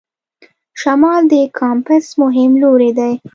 شمال د کمپاس مهم لوری دی.